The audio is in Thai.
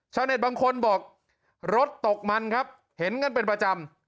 เน็ตบางคนบอกรถตกมันครับเห็นกันเป็นประจำ